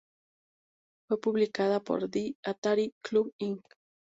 Fue publicada por "The Atari Club Inc.